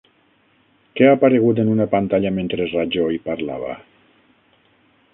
Què ha aparegut en una pantalla mentre Rajoy parlava?